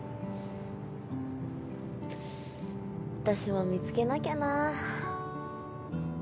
私も見つけなきゃなぁ。